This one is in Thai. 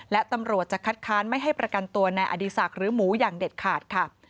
และจะคัดค้านไม่ให้ประกันตัวในอดีศักดิ์หรือหมู่ค่ะ